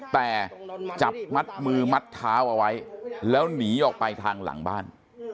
แต่จับมัดมือมัดเท้าเอาไว้แล้วหนีออกไปทางหลังบ้าน